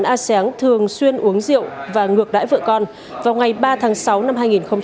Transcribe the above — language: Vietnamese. tòa án a sáng thường xuyên uống rượu và ngược đãi vợ con vào ngày ba tháng sáu năm hai nghìn hai mươi hai